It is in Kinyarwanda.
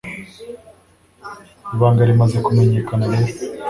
Ibanga rimaze kumenyekana rero